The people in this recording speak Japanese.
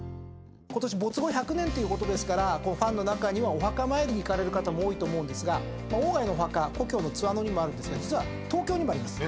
ことし没後１００年ですからこうファンの中にはお墓参りに行かれる方も多いと思うんですが鴎外のお墓故郷の津和野にもあるんですが実は東京にもあります。